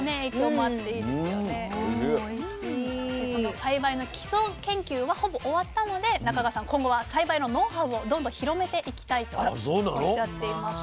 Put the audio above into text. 栽培の基礎研究はほぼ終わったので中川さん今後は栽培のノウハウをどんどん広めていきたいとおっしゃっています。